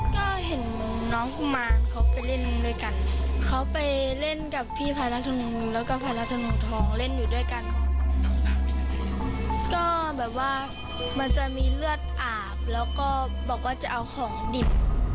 ก็เห็นน้องกุมารเขาไปเล่นด้วยกันเขาไปเล่นกับพี่ภัยรัฐนุนแล้วก็ภายรัชนงทองเล่นอยู่ด้วยกันก็แบบว่ามันจะมีเลือดอาบแล้วก็บอกว่าจะเอาของดิบ